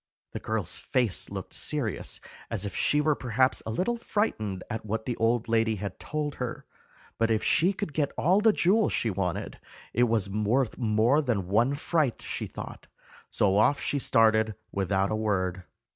The girl's face looked serious, as if she were perhaps a little frightened at what the old lady had told her; but if she could get all the jewels she wanted, it was worth more than one fright, she thought; so off she started without a word.